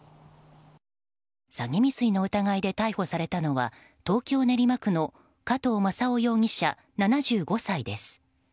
詐欺未遂の疑いで逮捕されたのは東京・練馬区の加藤正夫容疑者、７５歳です。